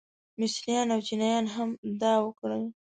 مصریان او چینیان هم دا وکړل.